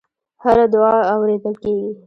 هره دعا اورېدل کېږي.